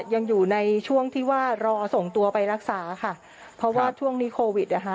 ยังอยู่ในช่วงที่ว่ารอส่งตัวไปรักษาค่ะเพราะว่าช่วงนี้โควิดนะคะ